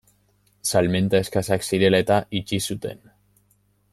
Salmenta eskasak zirela eta itxi zuten.